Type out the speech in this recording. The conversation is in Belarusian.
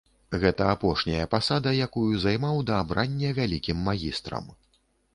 Гэта апошняя пасада, якую займаў да абрання вялікім магістрам.